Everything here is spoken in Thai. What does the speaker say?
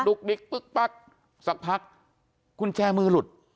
ดิ๊กปึ๊กปั๊กสักพักกุญแจมือหลุด